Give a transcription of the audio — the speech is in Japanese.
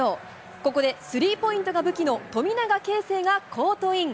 ここでスリーポイントが武器の富永啓生がコートイン。